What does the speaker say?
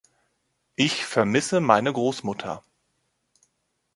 Ich vermisse meine Großmutter.